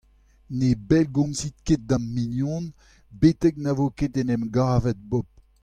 Ne bellgomzin ket da'm mignon betek na vo ket en em gavet Bob.